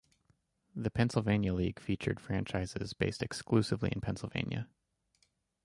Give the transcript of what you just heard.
The Pennsylvania League featured franchises based exclusively in Pennsylvania.